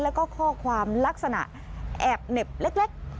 แล้วก็ข้อความลักษณะแอบเหน็บเล็ก